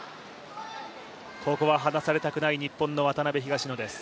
ここは離されたくない、日本の渡辺・東野ペアです。